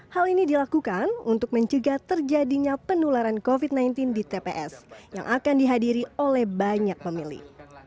hal ini dilakukan untuk mencegah terjadinya penularan covid sembilan belas di tps yang akan dihadiri oleh banyak pemilih